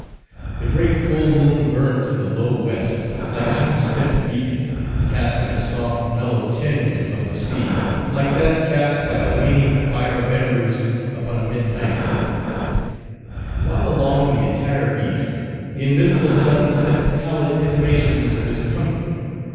The great full moon burnt in the low west like a half spent beacon, casting a soft mellow tinge upon the sea like that cast by a waning fire of embers upon a midnight hearth; while along the entire east the invisible sun sent pallid intimations of his coming.